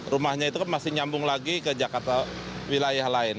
rumahnya itu kan masih nyambung lagi ke jakarta wilayah lain